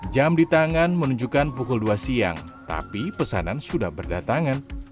jam di tangan menunjukkan pukul dua siang tapi pesanan sudah berdatangan